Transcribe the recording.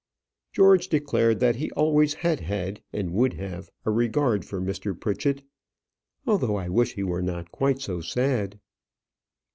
George declared that he always had had, and would have, a regard for Mr. Pritchett; "though I wish he were not quite so sad."